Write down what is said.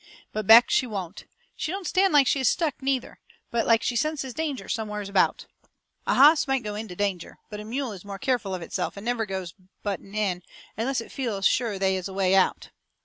But Beck, she won't. She don't stand like she is stuck, neither, but like she senses danger somewheres about. A hoss might go ahead into danger, but a mule is more careful of itself and never goes butting in unless it feels sure they is a way out.